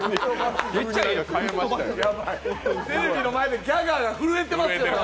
テレビの前でギャガーが震えてますよ。